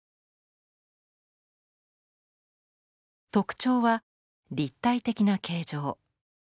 特徴は立体的な形状。